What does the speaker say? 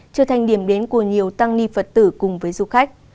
trở thành điểm đến của nhiều tăng ni phật tử cùng với du khách